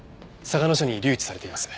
嵯峨野署に留置されています。